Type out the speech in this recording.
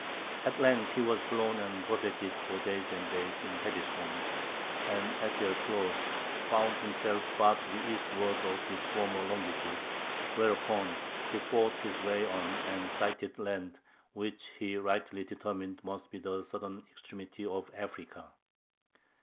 At length he was blown and buffeted for days and days in heavy storms, and at their close found himself far to the eastward of his former longitude, whereupon he fought his way on and sighted land which he rightly determined must be the southern extremity of Africa.